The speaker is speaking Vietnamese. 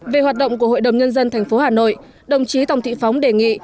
về hoạt động của hội đồng nhân dân tp hà nội đồng chí tòng thị phóng đề nghị